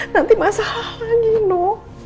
nanti masalah lagi no